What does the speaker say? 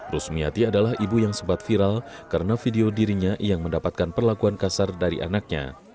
rusmiati adalah ibu yang sempat viral karena video dirinya yang mendapatkan perlakuan kasar dari anaknya